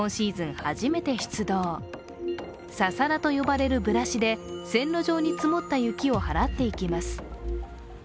初めて出動ササラと呼ばれるぶらしで線路上に積もった雪を払っていきます。